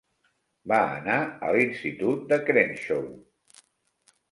Va anar a l'institut de Crenshaw.